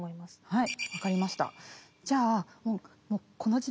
はい。